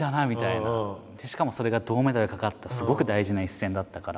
しかもそれが銅メダル懸かったすごく大事な一戦だったから。